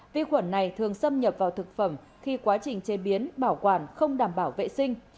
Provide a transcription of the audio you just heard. vi khuẩn này thường xâm nhập vào thực phẩm khi quá trình chế biến bảo quản không đảm bảo vệ sinh